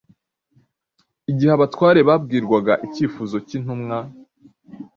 Igihe abatware babwirwaga icyifuzo cy’intumwa,